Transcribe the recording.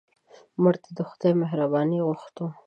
مړه ته د خدای مهرباني غوښتو